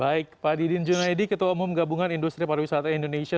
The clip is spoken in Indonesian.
baik pak didin junaidi ketua umum gabungan industri pariwisata indonesia